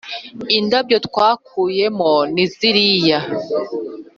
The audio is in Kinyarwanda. indabyo twakuyemo niziriya